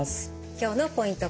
今日のポイント